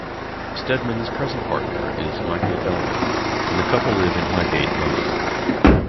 Steadman's present partner is Michael Elwyn and the couple live in Highgate, London.